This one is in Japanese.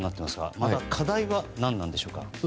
また課題は何なんでしょうか。